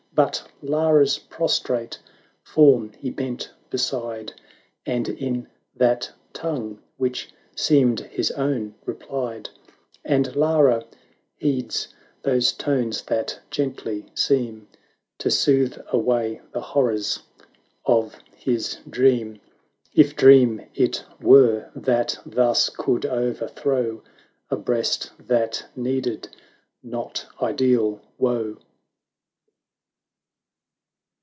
But Lara's prostrate form he bent beside, And in that tongue which seemed his own repHed; And Lara heeds those tones that gently seem To soothe away the horrors of his dream — If dream it were, that thus could over throw A breast that needed not ideal woe.